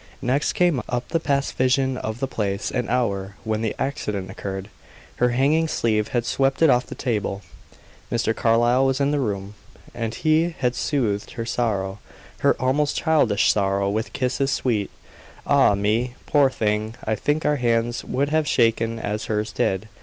Next came up the past vision of the place and hour when the accident occurred. Her hanging sleeve had swept it off the table. Mr. Carlyle was in the room, and he had soothed her sorrow her almost childish sorrow with kisses sweet. Ah me! poor thing! I think our hands would have shaken as hers did.